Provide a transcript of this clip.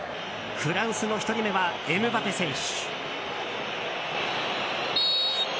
フランスの１人目はエムバペ選手。